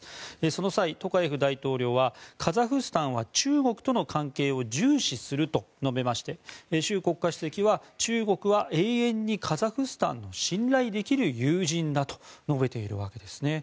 その際、トカエフ大統領はカザフスタンは中国との関係を重視すると述べまして習国家主席は、中国は永遠にカザフスタンの信頼できる友人だと述べているわけです。